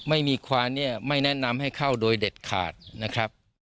ไม่มีควานเนี่ยไม่แนะนำให้เข้าโดยเด็ดขาดนะครับ